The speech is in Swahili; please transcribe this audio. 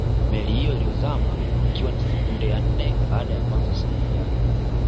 Meli hiyo ilizama ikiwa ni siku ya nne baada ya kuanza safari yake